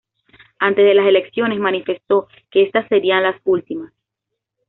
Antes de las elecciones, manifestó que estas serían las últimas.